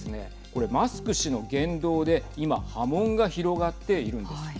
これマスク氏の言動で今、波紋が広がっているんです。